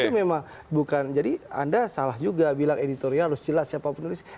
tapi memang bukan jadi anda salah juga bilang editorial harus jelas siapa penulis